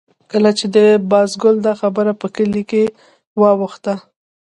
کله چې د بازګل دا خبره په کلي کې واوښته.